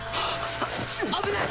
危ない！